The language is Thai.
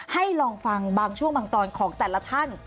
ลองฟังบางช่วงบางตอนของแต่ละท่าน